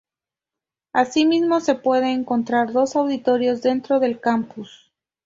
Asimismo, se pueden encontrar dos auditorios dentro del campus.